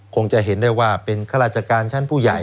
คงจะเห็นได้ว่าเป็นข้าราชการชั้นผู้ใหญ่